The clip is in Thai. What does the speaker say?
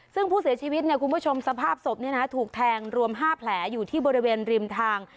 ซึ่งผู้เสียชีวิตคุณผู้ชมสภาพศพถูกแทงรวม๕แผลอยู่ที่บริเวณริมทาง